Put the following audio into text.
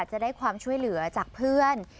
จะได้ความช่วยเหลือจากเพื่อน